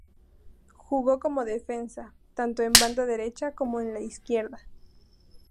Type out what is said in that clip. Jugó como defensa, tanto en banda derecha como en la izquierda.